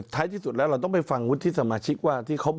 ท้ายที่สุดเราะเราต้องไปฟังวุฒิสมาชิกว่า